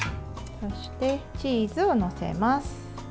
そして、チーズを載せます。